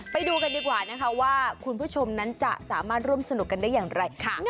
ไปดูกันดีกว่านะคะว่าคุณผู้ชมนั้นจะสามารถร่วมสนุกกันได้อย่างไรค่ะ